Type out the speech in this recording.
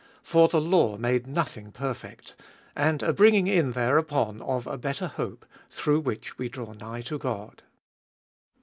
(For the law made nothing perfect), and a bringing in thereupon of a better hope, through which we draw nigh to God.